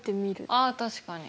あ確かに。